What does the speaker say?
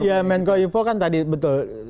ya mengakomodasi info kan tadi betul